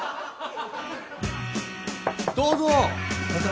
どうぞ！